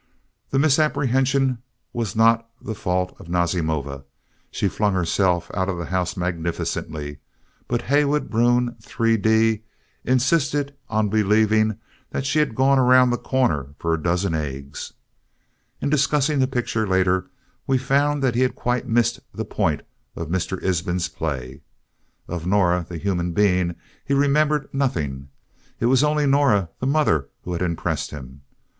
The misapprehension was not the fault of Nazimova. She flung herself out of the house magnificently, but Heywood Broun, 3d, insisted on believing that she had gone around the corner for a dozen eggs. In discussing the picture later, we found that he had quite missed the point of Mr. Ibsen's play. Of Nora, the human being, he remembered nothing. It was only Nora, the mother, who had impressed him.